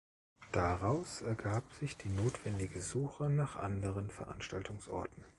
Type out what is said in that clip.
Daraus ergab sich die notwendige Suche nach anderen Veranstaltungsorten.